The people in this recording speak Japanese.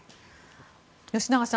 吉永さん